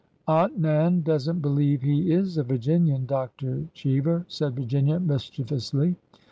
Aunt Nan does n't believe he is a Virginian, Dr. Cheever," said Virginia, mischievously.